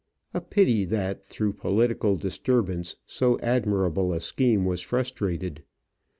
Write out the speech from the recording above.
A pity that through political dis turbance so admirable a scheme was frustrated.